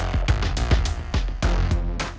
kenapa ini hujan gini datang ke sini